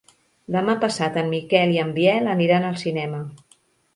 Demà passat en Miquel i en Biel aniran al cinema.